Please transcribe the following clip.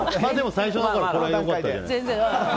最初だから良かったじゃない。